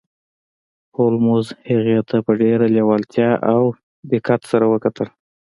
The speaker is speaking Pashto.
هولمز هغې ته په ډیره لیوالتیا او دقت سره وکتل